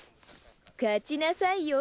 勝ちなさいよ